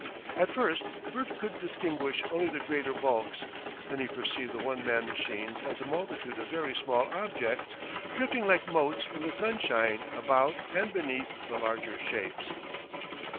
At first Bert could distinguish only the greater bulks, then he perceived the one man machines as a multitude of very small objects drifting like motes in the sunshine about and beneath the larger shapes.